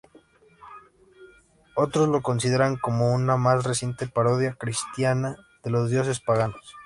Otros lo consideran como una más reciente parodia cristiana de los dioses paganos.